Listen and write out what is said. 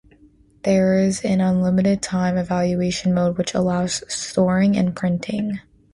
There is an unlimited-time evaluation mode which allows storing and printing.